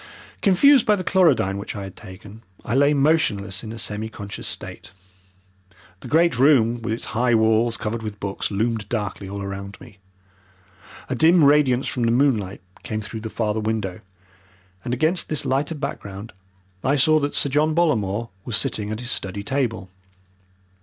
Confused by the chlorodyne which I had taken, I lay motionless in a semi conscious state. The great room with its high walls covered with books loomed darkly all round me. A dim radiance from the moonlight came through the farther window, and against this lighter background I saw that Sir John Bollamore was sitting at his study table.